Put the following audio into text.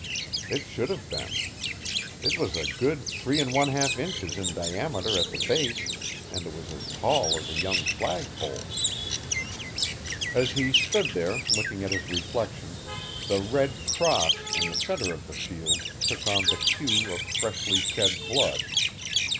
It shouldn't have been. It was a good three and one half inches in diameter at the base, and it was as tall as a young flagpole. As he stood there looking at his reflection, the red cross in the center of the shield took on the hue of freshly shed blood.